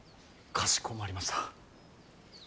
かしこまりました。